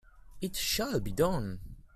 It shall be done!